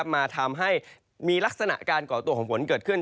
มาทำให้มีลักษณะการก่อตัวของฝนเกิดขึ้น